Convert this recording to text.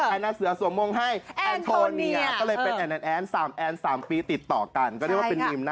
แอนนาเสือสวมมงค์ให้แอนโทเนีย